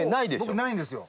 僕ないんですよ。